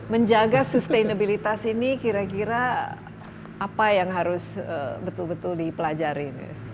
menjaga sustainability ini kira kira apa yang harus betul betul dipelajari